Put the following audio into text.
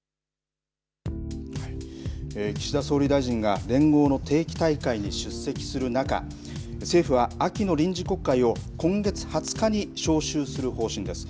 岸田総理大臣が連合の定期大会に出席する中政府は秋の臨時国会を今月２０日に召集する方針です。